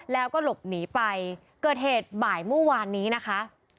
แล้วก็หลบหนีไปเกิดเหตุบ่ายเมื่อวานนี้นะคะ